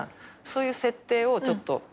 そういう設定をちょっとして。